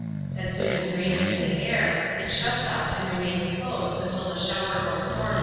As soon as rain is in the air it shuts up and remains closed until the shower or storm is over.